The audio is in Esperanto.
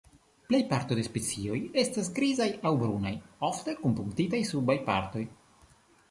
Plej parto de specioj estas grizaj aŭ brunaj, ofte kun punktitaj subaj partoj.